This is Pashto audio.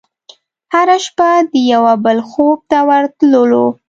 هره شپه د یوه بل خوب ته ورتللو